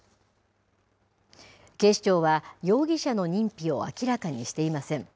警視庁は容疑者の認否を明らかにしていません。